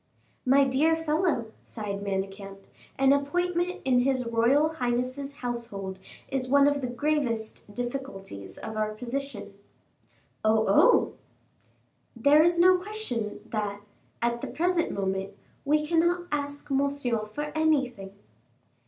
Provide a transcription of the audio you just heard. "My dear fellow," sighed Manicamp, "an appointment in his royal highness's household is one of the gravest difficulties of our position." "Oh! oh!" "There is no question that, at the present moment, we cannot ask Monsieur for anything."